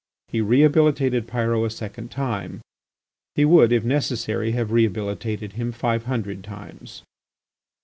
He rehabilitated Pyrot a second time; he would, if necessary, have rehabilitated him five hundred times.